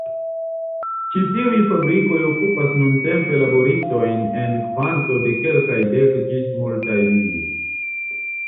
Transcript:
Ĉi tiuj fabrikoj okupas nuntempe laboristojn en kvanto de kelkaj dek ĝis multaj mil.